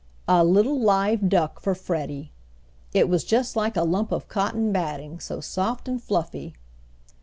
A little live duck for Freddie! It was just like a lump of cotton batting, so soft and fluffy.